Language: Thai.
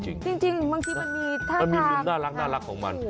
จริงบางทีมันมีท่าทางมันมีมุมน่ารักของมัน